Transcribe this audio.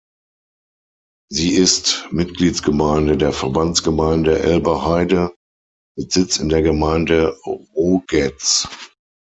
Sie ist Mitgliedsgemeinde der Verbandsgemeinde Elbe-Heide mit Sitz in der Gemeinde Rogätz.